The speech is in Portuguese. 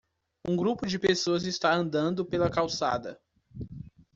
Um grupo de pessoas está andando pela calçada.